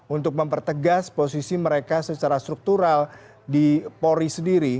untuk mempertegas posisi mereka secara struktural di polri sendiri